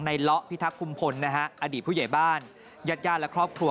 นายล้อพิทักษ์คุมฝนนะฮะอดีตผู้ใหญ่บ้านยัดย่านและครอบครัว